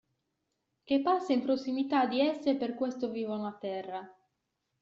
Che passa in prossimità di esse per questo vivono a terra.